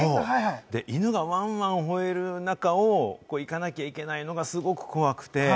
犬がワンワンほえる中をいかなきゃいけないのが、すごく怖くて。